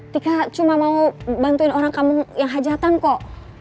tika cuma mau bantuin orang kampung yang hajatan kok